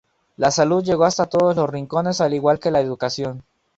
La salud llegó hasta todos los rincones al igual que la educación.